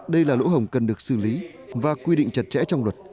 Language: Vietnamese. đây là lũ hồng cần được xử lý và quy định chặt chẽ trong luật